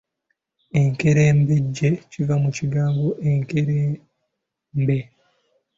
Enkerembejje kiva mu kigambo Enkerembe.